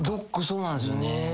そうなんですよね。